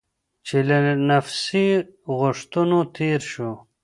چې له نفسي غوښتنو تېر شو.